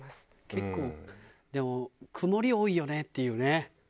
結構でも曇り多いよねっていうよね。